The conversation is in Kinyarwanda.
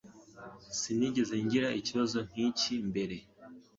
Sinigeze ngira ikibazo nkiki mbere.